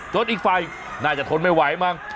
โดดอีกไฟน่าจะทนไม่ไหวมั้ง